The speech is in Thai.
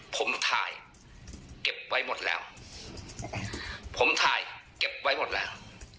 ผมถ่ายเก็บไว้หมดแล้วผมถ่ายเก็บไว้หมดแล้ว